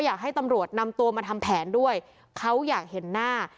อยากให้ตำรวจนำตัวมาทำแผนด้วยเขาอยากเห็นหน้า